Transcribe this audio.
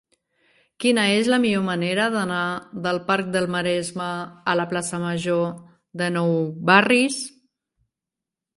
Quina és la millor manera d'anar del parc del Maresme a la plaça Major de Nou Barris?